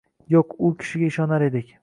Yo‘q, u kishiga ishonar edik.